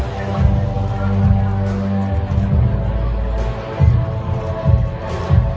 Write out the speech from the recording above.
สโลแมคริปราบาล